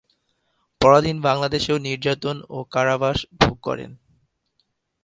পরাধীন বাংলাদেশেও নির্যাতন ও কারাবাস ভোগ করেন।